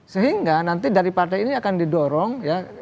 sehingga nanti dari partai ini akan didorong ya